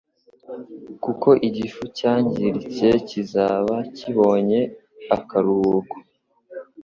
kuko igifu cyangiritse kizaba kibonye akaruhuko